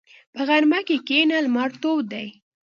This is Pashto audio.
په غرمه کښېنه، لمر تود دی.